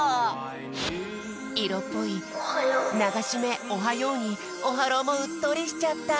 いろっぽい「ながしめおはよう」にオハローもうっとりしちゃった。